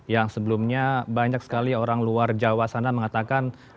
yang sebelumnya banyak sekali orang luar jawa sana mengatakan